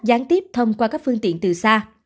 gián tiếp thông qua các phương tiện từ xa